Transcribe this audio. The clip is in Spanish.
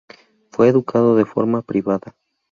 Fue educado de forma privada.